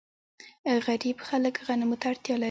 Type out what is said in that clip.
غریب خلک غنمو ته اړتیا لري.